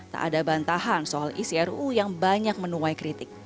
tak ada bantahan soal isi ruu yang banyak menuai kritik